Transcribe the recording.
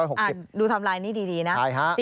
ดูทำลายนี่ดีนะ